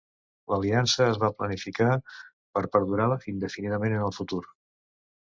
L'aliança es va planificar per perdurar indefinidament en el futur.